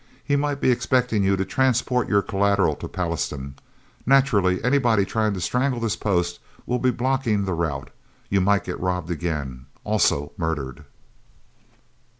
"He might be expecting you to transport your collateral to Pallastown. Naturally anybody trying to strangle this Post will be blocking the route. You might get robbed again. Also murdered."